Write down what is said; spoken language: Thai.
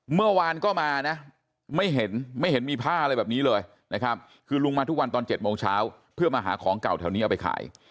เมื่อวานก็มานะไม่เห็นไม่เห็นมีผ้าอะไรแบบนี้เลยนะครับคือลุงมาทุกวันตอน๗โมงเช้าเพื่อมาหาของเก่าแถวนี้เอาไปขาย